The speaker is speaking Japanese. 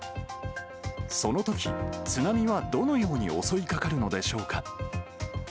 そのとき、津波はどのように襲いかかるのでしょうか。